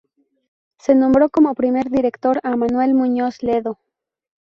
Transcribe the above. Se nombró como primer director a Manuel Muñoz Ledo.